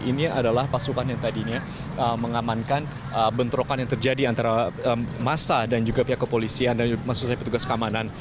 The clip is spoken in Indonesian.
ini adalah pasukan yang tadinya mengamankan bentrokan yang terjadi antara masa dan juga pihak kepolisian dan maksud saya petugas keamanan